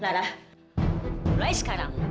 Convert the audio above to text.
lara mulai sekarang